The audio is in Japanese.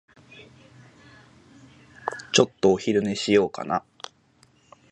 ちょっとお昼寝しようかな。